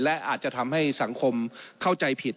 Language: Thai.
และอาจจะทำให้สังคมเข้าใจผิด